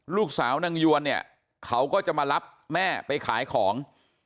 ลูกสาวนางยวนเนี่ยเขาก็จะมารับแม่ไปขายของ